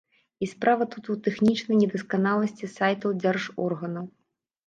І справа тут у тэхнічнай недасканаласці сайтаў дзяржорганаў.